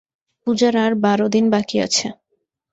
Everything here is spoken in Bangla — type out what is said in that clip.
পূজার আর বারো দিন বাকি আছে।